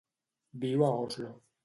Viu a Oslo.